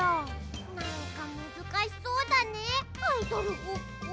なんかむずかしそうだねアイドルごっこ。